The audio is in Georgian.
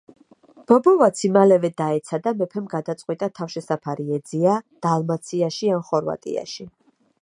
ბობოვაცი მალევე დაეცა და მეფემ გადაწყვიტა თავშესაფარი ეძია დალმაციაში ან ხორვატიაში.